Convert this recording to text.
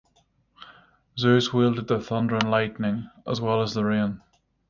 Zeus wielded the thunder and lightning as well as the rain.